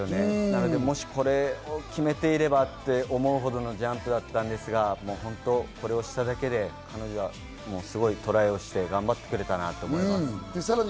これを決めていればと思うほどのジャンプだったんですが、本当にこれをしただけで彼女はすごいトライをして頑張ってくれたなと思います。